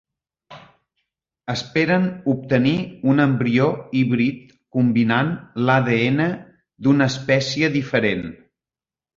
Esperen obtenir un embrió híbrid combinant l'ADN d'una espècie diferent.